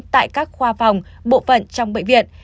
tại các khoa phòng bộ phận trong bệnh viện